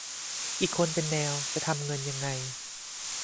อีกคนเป็นแนว จะทำเงินยังไง